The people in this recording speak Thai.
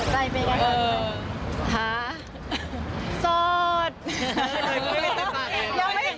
ใจไปกัน